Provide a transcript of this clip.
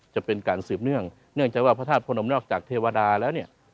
จะเป็นการสืบเนื่องเนื่องจากว่าพระธาตุพระนมนอกจากเทวดาแล้วเนี่ย